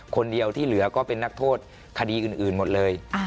คนเดียวที่เหลือก็เป็นนักโทษคดีอื่นหมดเลย